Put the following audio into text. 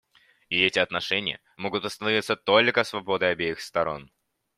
И эти отношения могут установиться только свободой обеих сторон.